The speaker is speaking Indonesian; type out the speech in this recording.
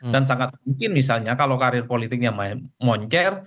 dan sangat mungkin misalnya kalau karir politiknya moncer